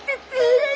えっ！